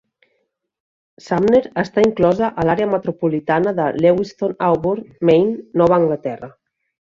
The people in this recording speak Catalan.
Sumner està inclosa a l'àrea metropolitana de Lewiston-Auburn, Maine (Nova Anglaterra).